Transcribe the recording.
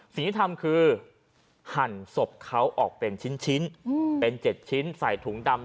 สิ่งที่ทำคือหั่นศพเขาออกเป็นชิ้นเป็น๗ชิ้นใส่ถุงดำ